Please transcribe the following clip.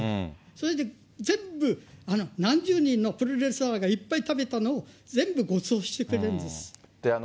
それで全部、何十人のプロレスラーが全部食べたのを、全部ごちそうしてくれるんです。